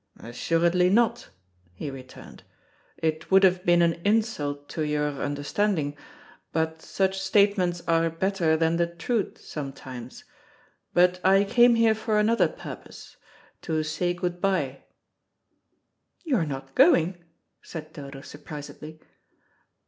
"Assuredly not," he returned. "It would have been an insult to your understanding. But such statements are better than the truth sometimes. But I came here for another purpose to say good bye." "You're not going?" said Dodo surprisedly.